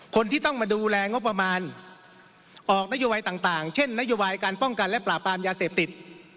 คนที่ต้องมาดูแลงบประมาณออกนโยบายต่างเช่นนโยบายการป้องกันและปราบปรามยาเสพติด